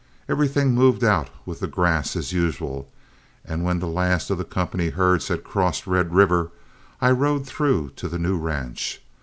Everything moved out with the grass as usual, and when the last of the company herds had crossed Red River, I rode through to the new ranch.